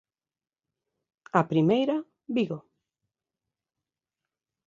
A primeira, Vigo.